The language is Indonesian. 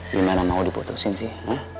gimana mau diputusin sih